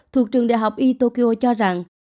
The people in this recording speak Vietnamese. thuộc trường đại học y tokyo cho rằng